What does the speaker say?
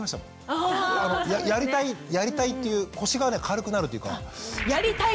あそうですね。やりたいやりたいという腰が軽くなるというか。